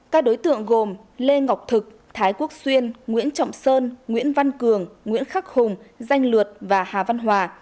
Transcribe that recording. các đối tượng gồm lê ngọc thực thái quốc xuyên nguyễn trọng sơn nguyễn văn cường nguyễn khắc hùng danh lượt và hà văn hòa